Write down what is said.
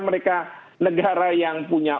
mereka negara yang punya